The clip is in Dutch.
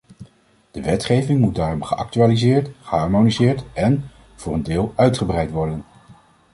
De wetgeving moet daarom geactualiseerd, geharmoniseerd en, voor een deel, uitgebreid worden.